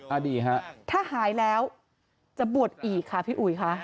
อดีตฮะถ้าหายแล้วจะบวชอีกค่ะพี่อุ๋ยค่ะ